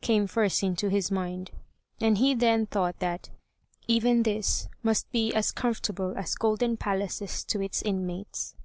came first into his mind, and he then thought that "even this must be as comfortable as golden palaces to its inmates."